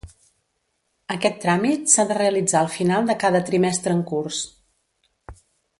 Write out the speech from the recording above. Aquest tràmit s'ha de realitzar al final de cada trimestre en curs.